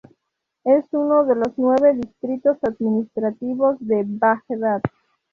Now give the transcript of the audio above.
Es uno de los nueve distritos administrativos en Bagdad.